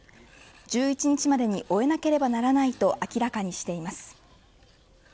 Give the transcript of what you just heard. １１日までに終えなければならないと明らかにしています。